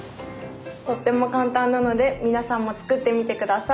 とっても簡単なので皆さんも作ってみてください。